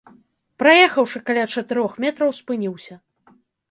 Праехаўшы каля чатырох метраў, спыніўся.